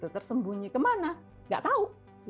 tersembunyi ke mana tidak tahu